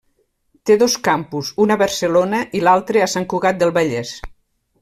Té dos campus, un a Barcelona i l'altre a Sant Cugat del Vallès.